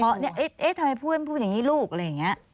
เพราะเนี่ยเอ๊ะทำไมพูดไม่พูดอย่างนี้ลูกอะไรอย่างนี้